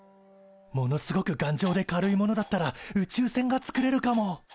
ものすごく頑丈で軽いものだったら宇宙船がつくれるかも。